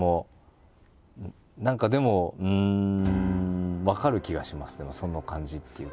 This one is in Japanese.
何かでもうん分かる気がしますでもその感じっていうか。